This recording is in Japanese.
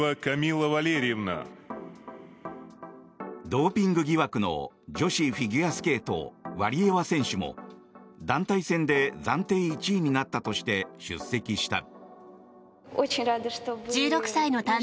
ドーピング疑惑の女子フィギュアスケートワリエワ選手も団体戦で暫定１位になったとして出席した。